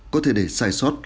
có thể để sai sót các mùi